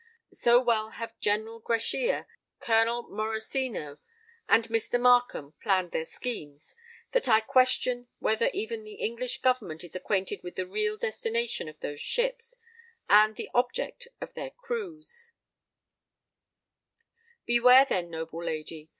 So well have General Grachia, Colonel Morosino, and Mr. Markham planned their schemes, that I question whether even the English government is acquainted with the real destination of those ships, and the object of their crews. "Beware, then, noble lady!